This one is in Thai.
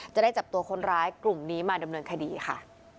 จะได้จับตัวคนร้ายกลุ่มนี้มาดำเนินคดีค่ะ